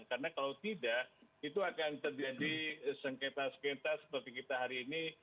karena kalau tidak itu akan terjadi sengketa sengketa seperti kita hari ini